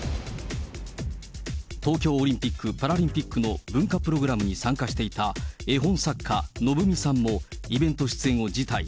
東京オリンピック・パラリンピックの文化プログラムに参加していた絵本作家、のぶみさんもイベント出演を辞退。